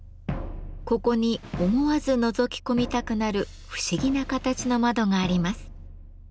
ここに思わずのぞき込みたくなる不思議な形の窓があります。